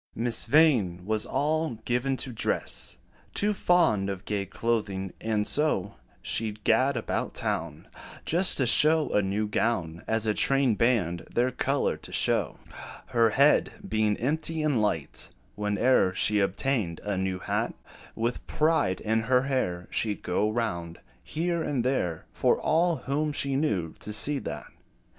Miss Vain was all given to dress Too fond of gay clothing; and so, She 'd gad about town Just to show a new gown, As a train band their color to show. Her head being empty and light, Whene'er she obtained a new hat, With pride in her air, She 'd go round, here and there, For all whom she knew to see that.